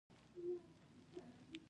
په ودانیو کې د سیمنټو کارول.